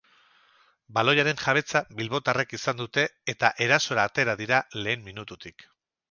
Baloiaren jabetza bilbotarrek izan dute, eta erasora atera dira lehen minututik.